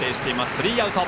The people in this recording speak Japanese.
スリーアウト。